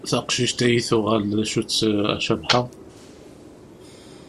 Taqcict-agi tuɣal d acu-tt a Cabḥa?